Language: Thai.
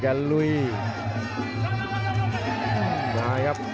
ไว้ครับ